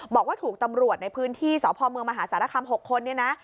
บอกว่าถูกตำรวจในพื้นที่สพเมืองมหาสารคาม๖คน